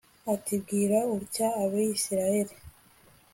ati bwira utya abayisraheli